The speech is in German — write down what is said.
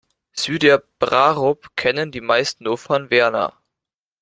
Süderbrarup kennen die meisten nur von Werner.